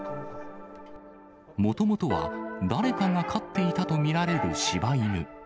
もともとは誰かが飼っていたと見られるしば犬。